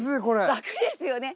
楽ですよね